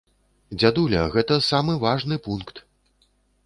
Дзядуля, гэта самы важны пункт.